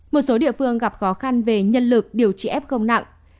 một số địa phương gặp khó khăn về nhân lực điều trị f công nặng